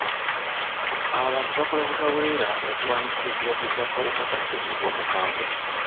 Abantu bakola butaweera okulwanyisa ekirwadde ky'akawuka ka ssenyiga omukambwe.